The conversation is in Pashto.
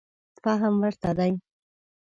فهم ورته دی.